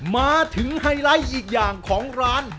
มาถึงไฮไลท์อีกอย่างของร้าน